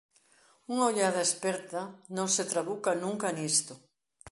Unha ollada experta non se trabuca nunca nisto.